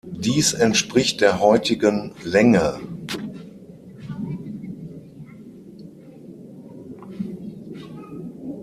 Dies entspricht der heutigen Länge.